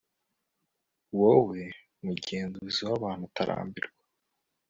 wowe, mugenzuzi w'abantu utarambirwa